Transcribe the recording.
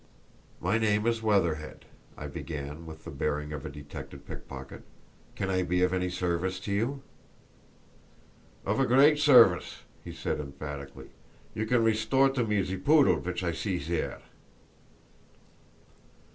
"My name is Weatherhead," I began with the bearing of a detected pickpocket. "Can I be of any service to you?" "Of a great service," he said, emphatically; "you can restore to me ze poodle vich I see zere!"